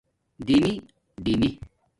ِِِدِیمی دیمی